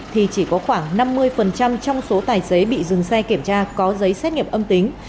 thì chỉ có khoảng năm mươi trong số tài xế bị dừng xe kiểm tra có giấy xét nghiệm âm tính